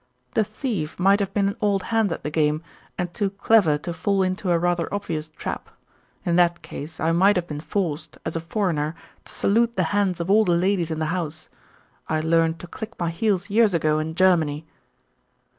"The thief might have been an old hand at the game, and too clever to fall into a rather obvious trap. In that case I might have been forced, as a foreigner, to salute the hands of all the ladies in the house. I learnt to click my heels years ago in Germany."